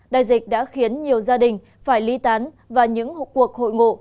đại dịch đã khiến nhiều gia đình phải ly tán và những cuộc hội ngộ